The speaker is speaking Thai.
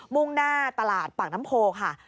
มุงตลาดปั่งน้ำโพลค่ะ